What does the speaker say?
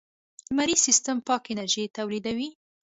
لمریز سیستم پاک انرژي تولیدوي.